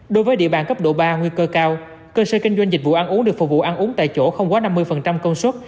đối với địa bàn cấp độ ba nguy cơ cao cơ sở kinh doanh dịch vụ ăn uống được phục vụ ăn uống tại chỗ không quá năm mươi công suất